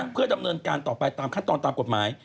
เพื่อดำเนินการต่อไปตามขั้นตอนตามกฎหมาย